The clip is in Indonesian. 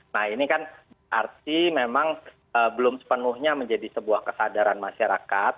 nah ini kan arti memang belum sepenuhnya menjadi sebuah kesadaran masyarakat